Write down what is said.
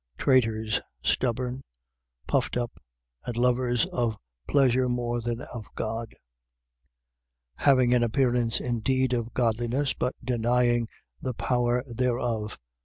Traitors, stubborn, puffed up, and lovers of pleasure more than of God: 3:5. Having an appearance indeed of godliness but denying the power thereof.